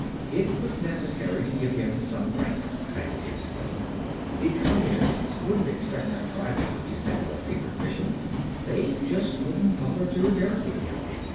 "It was necessary to give him some rank," Titus explained. "The Communists wouldn't expect a private to be sent on a secret mission; they just wouldn't bother to interrogate him.